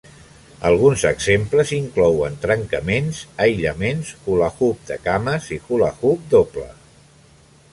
Alguns exemples inclouen trencaments, aïllaments, hula-hoop de cames i hula-hoop doble.